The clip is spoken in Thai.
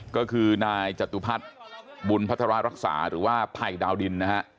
ก็คือนายจตุพัฒน์บุญพัฒนารักษาหรือว่าภัยดาวดินนะฮะ